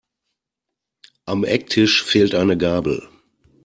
Am Ecktisch fehlt eine Gabel.